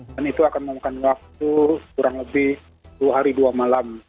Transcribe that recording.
dan itu akan memakan waktu kurang lebih dua hari dua malam